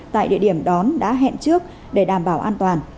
tại địa điểm đón đã hẹn trước để đảm bảo an toàn